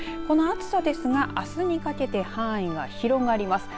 この暑さですが、あすにかけて範囲が広がります。